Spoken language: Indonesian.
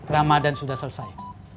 ramadan sudah selesai